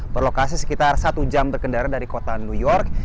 berlokasi sekitar satu jam berkendara dari kota new york